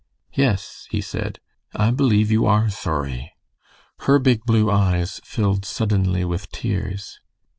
"Yes," he said, "I believe you are sorry." Her big blue eyes filled suddenly with tears.